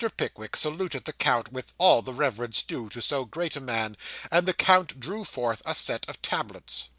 Pickwick saluted the count with all the reverence due to so great a man, and the count drew forth a set of tablets.